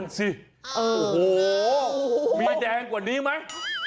มีแดงกว่านี้มั้ย